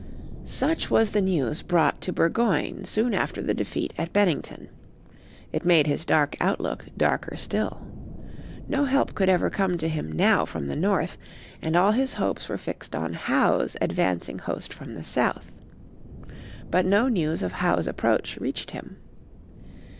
Such was the news brought to Burgoyne soon after the defeat at Bennington. It make his dark outlook darker still. No help could ever come to him now from the north, and all his hopes were fixed on Howe's advancing host from the south. But no news of Howe's approach reached him.